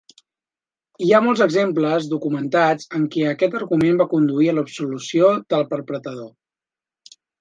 Hi ha molts exemples documentats en què aquest argument va conduir a l'absolució del perpetrador.